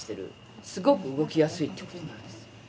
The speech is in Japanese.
すごく動きやすいって事なんですよ